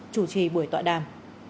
chủ trì buổi tọa đàm